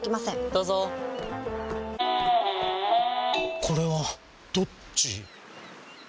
どうぞこれはどっち？